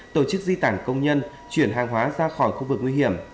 tổ chức di tản công nhân chuyển hàng hóa ra khỏi khu vực nguy hiểm